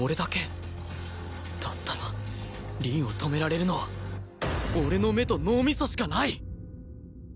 だったら凛を止められるのは俺の目と脳みそしかない！